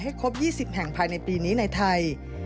ครบ๒๐แห่งภายในปีนี้ในไทย